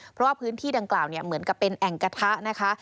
เพราะว่าพื้นที่ดังกล่าวเหมือนกับเป็นแอ่งกระทะนะคะ